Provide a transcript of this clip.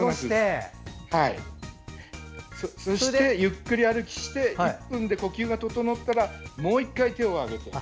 そして、ゆっくり歩きして１分で呼吸が整ったらもう１回、手を上げて。